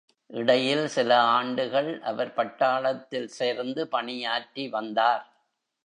இடையில் சில ஆண்டுகள் அவர் பட்டாளத்தில் சேர்ந்து பணியாற்றி வந்தார்.